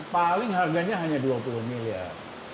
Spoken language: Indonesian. paling harganya hanya dua puluh miliar